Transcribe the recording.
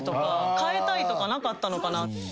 変えたいとかなかったのかな。